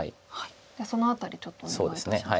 じゃあその辺りちょっとお願いいたします。